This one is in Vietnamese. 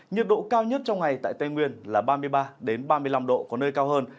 nhiệt độ cao nhất trong ngày tại tây nguyên là ba mươi ba ba mươi năm độ có nơi cao hơn